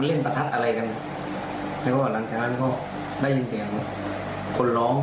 ก็เห็นอย่างนี้เห็นคือจริงกันก็เห็นอย่างนี้สนุก